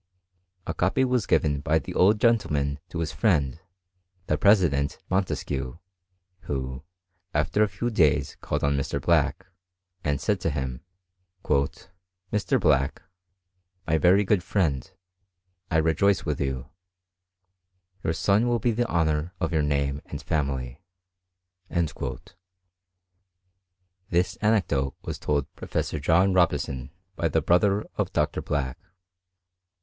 A copy was given by the old gentlcn his friend, the President Montesquieu, who, a few days called on Mr. Black, and said tO " Mr. Black, my very good friend, I rejoice you ; your son will be the honour of your nan family." This anecdote was told Professor Jd bison by the brother of Dr. Black.